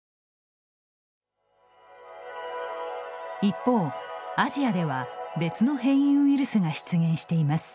一方アジアでは、別の変異ウイルスが出現しています。